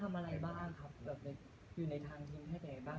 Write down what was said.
หลังจากนี้พี่ออกต้องทำอะไรบ้างกับอยู่ในทางธีมน้ำไทยบ้าง